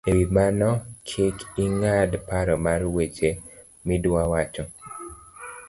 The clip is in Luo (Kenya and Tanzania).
E wi mano, kik ing'ad paro mar weche miduawacho